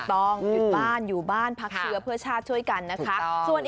ถูกต้องอยู่บ้านพักเชื้อเพื่อชาติช่วยกันนะคะ